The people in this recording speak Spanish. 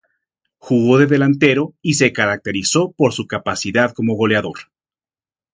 Jugó de delantero y se caracterizó por su capacidad como goleador.